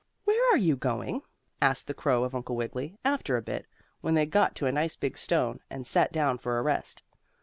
"Where are you going?" asked the crow of Uncle Wiggily, after a bit, when they got to a nice big stone, and sat down for a rest.